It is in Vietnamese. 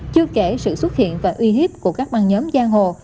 chưa kể sự xuất hiện và uy hiếp của các băng nhóm giang hồ